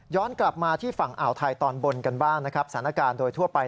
กลับมาที่ฝั่งอ่าวไทยตอนบนกันบ้างนะครับสถานการณ์โดยทั่วไป